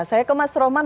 saya ke mas roman